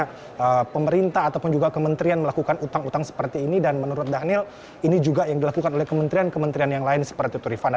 karena pemerintah ataupun juga kementerian melakukan hutang hutang seperti ini dan menurut dhanil ini juga yang dilakukan oleh kementerian kementerian yang lain seperti turifana